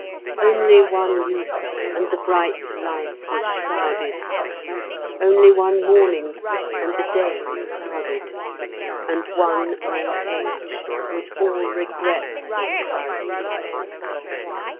Only one youth, and the bright life was shrouded; Only one morning, and the day was clouded; And one old age with all regrets is crowded.